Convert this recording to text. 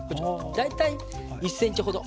大体１ｃｍほど。